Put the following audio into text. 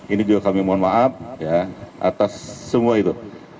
ini juga kami mohon maaf atas semua itu